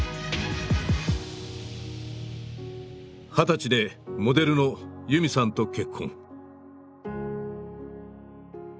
二十歳でモデルの裕美さんと結婚。